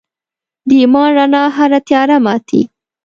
د ایمان رڼا هره تیاره ماتي.